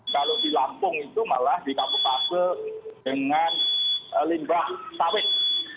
kalau di lampung itu malah di kabupaten dengan limbah sawit